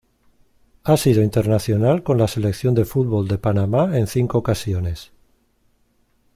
Ha sido internacional con la Selección de Fútbol de Panamá en cinco ocasiones.